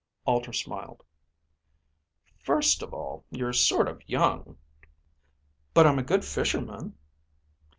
Alter smiled. "First of all you're sort of young ..." "But I'm a good fisherman."